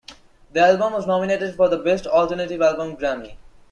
The album was nominated for the Best Alternative Album Grammy.